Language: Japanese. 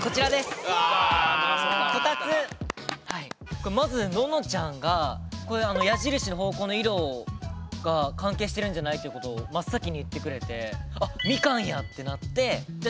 これまず暖乃ちゃんがこれは矢印の方向の色が関係してるんじゃない？ということを真っ先に言ってくれてあ「みかん」や！ってなってじゃあ